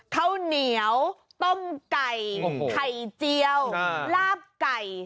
ข้าวเหนียวต้มไก่ไข่เจียวลาบไก่